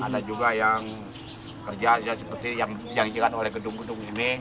ada juga yang kerja seperti yang dijanjikan oleh gedung gedung ini